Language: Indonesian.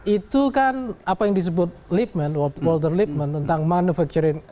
itu kan apa yang disebut liebman walter liebman tentang manufacturing